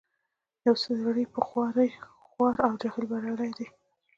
پوه سړی په خوارۍ خوار او جاهل بریالی دی.